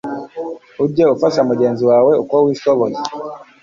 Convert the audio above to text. ujye ufasha mugenzi wawe uko wishoboye